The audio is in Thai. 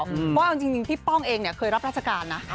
ว่าจริงพี่ป้องเองหนึ่งคือรับราชการนะ